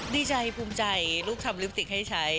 ดีใจภูมิใจลูกทำลิปติกให้ใช้